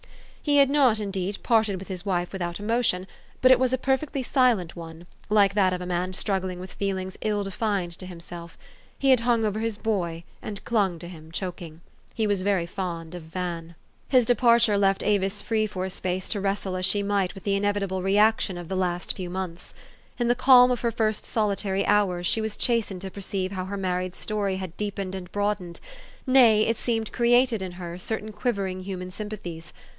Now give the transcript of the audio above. He had not, indeed, parted with his wife without emotion ; but it was a perfectly silent one, like that of a man struggling with feelings ill defined to him self. He had hung over his bo}^, and clung to him, choking. He was very fond of Van. THE STORY OF AVIS. 365 His departure left Avis free for a space to wrestle as she might with the inevitable re action of the last few months. In the calm of her first solitary hours she was chastened to perceive how her married story had deepened and broadened, nay, it seemed, created in her, certain quivering human sympathies.